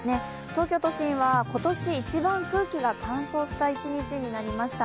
東京都心は今年一番空気が乾燥した一日になりました。